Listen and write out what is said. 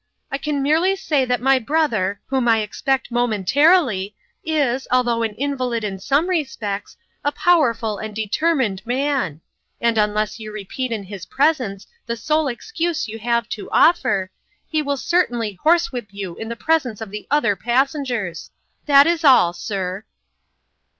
"I can merely say that my brother, whom I expect moment arily, is, although an invalid in some respects, a powerful and determined man ; and unless you repeat in his presence the sole excuse you have to offer, he will certainly horsewhip you in the presence of the other passengers. That is all, sir